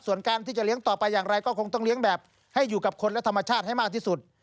ส่วนการที่จะเลี้ยงต่อไปอย่างไรก็คงต้องเลี้ยงแบบให้อยู่กับคนและธรรมชาติให้มากที่สุด